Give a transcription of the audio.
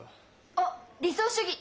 おっ理想主義！